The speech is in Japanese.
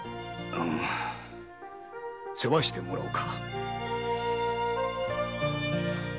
世話してもらおうか。